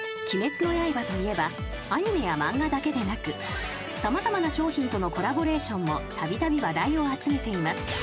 ［『鬼滅の刃』といえばアニメや漫画だけでなく様々な商品とのコラボレーションもたびたび話題を集めています］